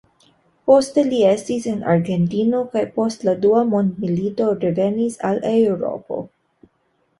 Poste li estis en Argentino kaj post la Dua Mondmilito revenis al Eŭropo.